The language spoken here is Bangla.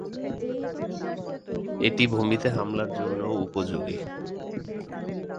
এটি ভূমিতে হামলার জন্যও উপযোগী।